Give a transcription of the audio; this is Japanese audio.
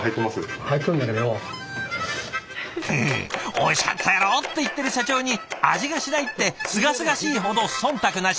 「おいしかったやろ？」って言ってる社長に「味がしない」ってすがすがしいほどそんたくなし！